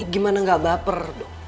gimana gak baper